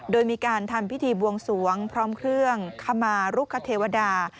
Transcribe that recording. โดยมีการทำพิธีบวงสวงพร้อมเครื่องขมารุคเทวดา